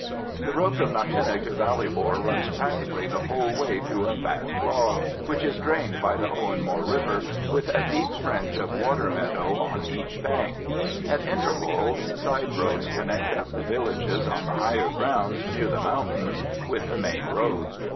The road from Knockshinnagh to Ballybor runs practically the whole way through a vast bog, which is drained by the Owenmore river, with a deep fringe of water meadows on each bank. At intervals side roads connect up the villages on the higher ground near the mountains with the main road.